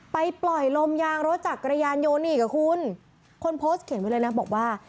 ไปปล่อยลมยางรถจักรยานยนต์อีกอ่ะคุณคนโพสต์เขียนไว้เลยนะบอกว่า